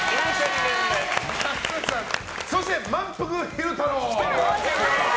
そして、まんぷく昼太郎。